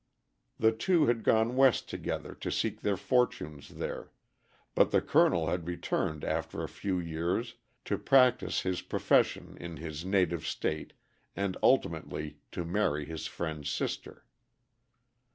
The two had gone west together to seek their fortunes there; but the Colonel had returned after a few years to practice his profession in his native state and ultimately to marry his friend's sister.